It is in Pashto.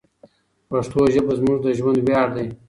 پښتو ژبه زموږ د ژوند ویاړ دی.